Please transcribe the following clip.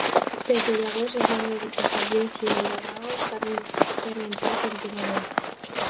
Des de llavors el nombre de passatgers i aeronaus s'ha incrementat contínuament.